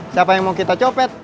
siapa yang mau kita copet